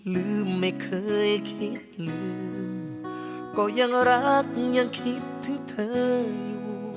แต่เมื่อความมั่วถือถึงเธออยู่